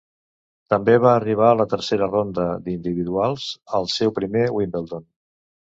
També va arribar a la tercera ronda d'individuals al seu primer Wimbledon.